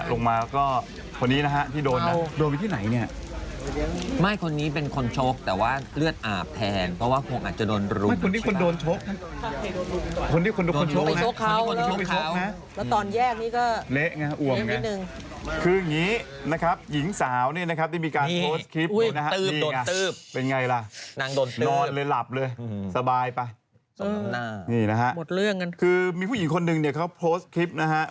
สบายป่ะนี่นะฮะหมดเรื่องกันคือมีผู้หญิงคนหนึ่งเนี่ยเขาโพสต์คลิปนะฮะ